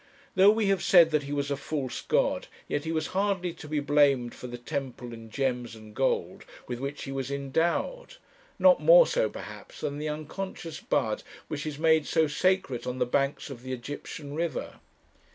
Though we have said that he was a false god, yet he was hardly to be blamed for the temple, and gems, and gold, with which he was endowed; not more so, perhaps, than the unconscious bud which is made so sacred on the banks of the Egyptian river.